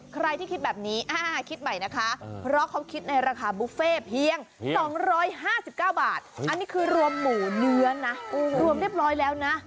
ใครที่คิดแบบนี้คิดใหม่นะคะเพราะเขาคิดในราคาบุฟเฟ่เพียง๒๕๙บาทอันนี้คือรวมหมูเนื้อนะรวมเรียบร้อยแล้วนะ